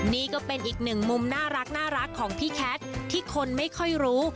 นี่ก็เป็นอีกหนึ่งมุมน่ารักของพี่แคทที่คนไม่ค่อยรู้